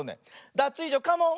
ダツイージョカモン！